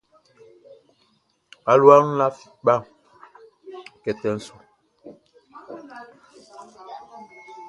Alua lafi kpa kɛtɛ su.